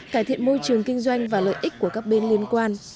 cải thiện môi trường kinh doanh và lợi ích của các bên liên quan